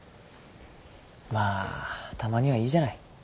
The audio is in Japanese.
まあたまにはいいじゃない。